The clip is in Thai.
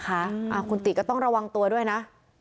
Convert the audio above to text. อ่าวคุณกิติศัตริย์รัวตัวด้วยนะ